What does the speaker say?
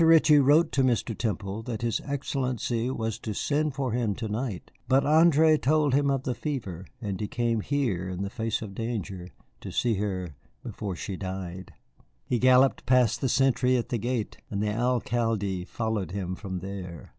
Ritchie wrote to Mr. Temple that his Excellency was to send for him to night, but André told him of the fever, and he came here in the face of danger to see her before she died. He galloped past the sentry at the gate, and the Alcalde followed him from there."